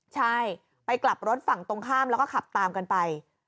ใช่ไปกลับรถฝั่งตรงข้ามแล้วก็ขับตามกันไป